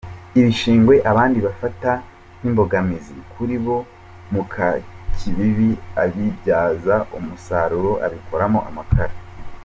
Ibishingwe abandi bafata nk’imbogamizi kuri bo, Mukakibibi abibyaza umusaruro abikoramo amakara.